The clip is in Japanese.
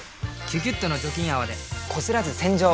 「キュキュット」の除菌泡でこすらず洗浄！